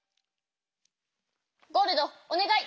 ゴールドおねがい！